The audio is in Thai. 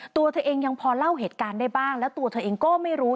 ตัวเธอเองยังพอเล่าเหตุการณ์ได้บ้างแล้วตัวเธอเองก็ไม่รู้